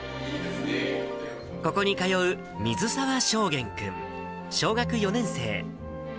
ここに通う水澤昇彦君、小学４年生。